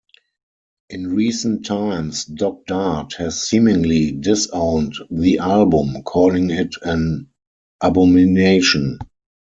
In recent times, Doc Dart has seemingly disowned the album, calling it "an abomination".